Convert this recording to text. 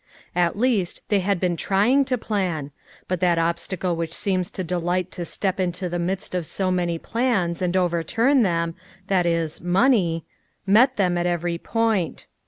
At least, they had been trying to plan ; but that obstacle which seems to delight to step into the midst of so many plans and overturn them, viz. money, met them at every point.